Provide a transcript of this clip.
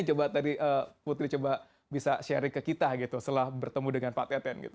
coba tadi putri coba bisa sharing ke kita gitu setelah bertemu dengan pak teten gitu